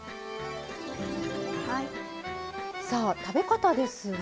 さあ食べ方ですが。